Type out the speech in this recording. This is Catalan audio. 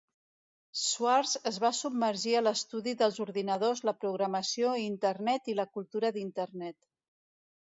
Swartz es va submergir a l"estudi dels ordinadors, la programació, Internet i la cultura d"Internet.